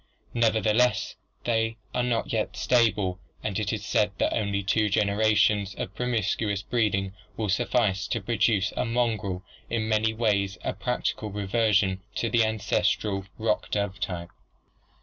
Neverthe less they are not yet stable and it is said that only two generations of promiscuous breeding will suffice to produce a mongrel in many ways a practical reversion to the ancestral rock dove type.